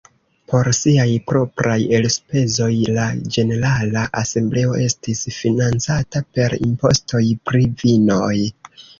Por siaj propraj elspezoj, la ĝenerala Asembleo estis financata per impostoj pri vinoj.